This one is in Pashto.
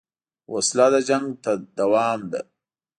وسله د جنګ دوام ده